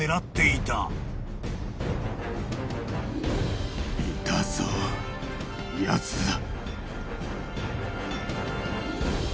いたぞやつだ。